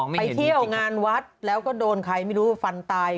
ไปเที่ยวงานวัดแล้วก็โดนใครไม่รู้ฟันตาย